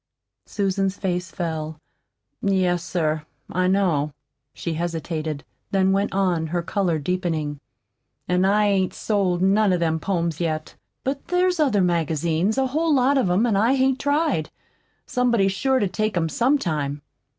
Susan's face fell. "Yes, sir, I know." She hesitated, then went on, her color deepening. "An' I hain't sold none o' them poems yet. But there's other magazines, a whole lot of 'em, that I hain't tried. Somebody's sure to take 'em some time."